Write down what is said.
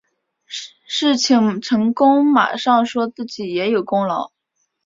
事情成功马上说自己也有功劳